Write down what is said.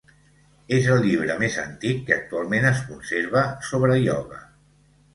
És el llibre més antic que actualment es conserva sobre ioga.